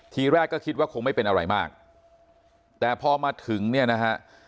ทีแรกก็คิดว่าคงไม่เป็นอะไรมากแต่พอมาถึงเนี่ยนะฮะ